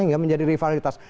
tidak menjadi rivalitas